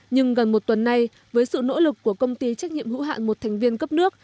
nhưng gần một tuần nay với sự nỗ lực của công ty trách nhiệm hữu hạn một thành viên cấp nước